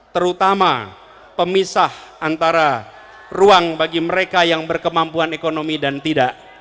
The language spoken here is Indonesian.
terutama pemisah antara ruang bagi mereka yang berkemampuan ekonomi dan tidak